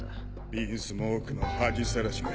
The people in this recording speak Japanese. ヴィンスモークの恥さらしが